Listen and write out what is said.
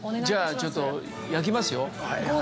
じゃあちょっと焼きますよ。